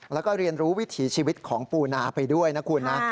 แล้วก็เรียนรู้วิถีชีวิตของปูนาไปด้วยนะคุณนะ